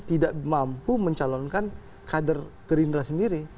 tidak mampu mencalonkan kader gerindra sendiri